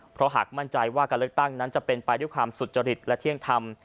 เพราะหากมั่นใจว่าการเลือกตั้งนั้นจะเป็นไปด้วยความสุจริตและเที่ยงธรรม